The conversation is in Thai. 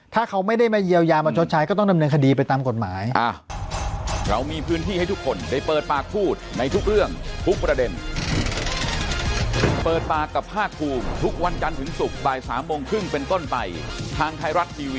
ถ้าเขาไม่ได้มาเยียวยามาชดใช้ก็ต้องดำเนินคดีไปตามกฎหมาย